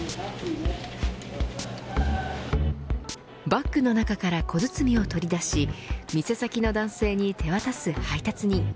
バッグの中から小包を取り出し店先の男性に手渡す配達人。